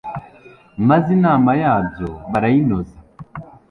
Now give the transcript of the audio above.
maze inama yabyo barayinoza